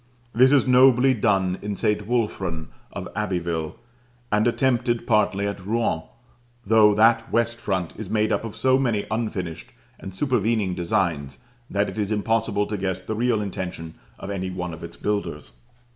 This is nobly done in St. Wulfran of Abbeville, and attempted partly at Rouen, though that west front is made up of so many unfinished and supervening designs that it is impossible to guess the real intention of any one of its builders.